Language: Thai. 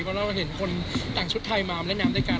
เพราะเราเห็นคนแต่งชุดไทยมาเล่นน้ำด้วยกัน